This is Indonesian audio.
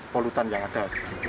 polutan yang ada